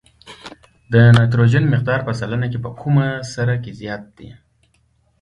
د نایتروجن مقدار په سلنه کې په کومه سره کې زیات دی؟